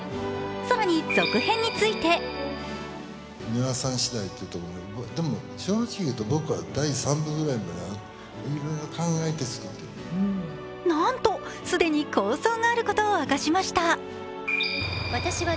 更に続編についてなんと、既に構想があることを明かしました。